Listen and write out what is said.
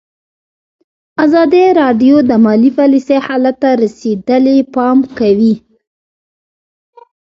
ازادي راډیو د مالي پالیسي حالت ته رسېدلي پام کړی.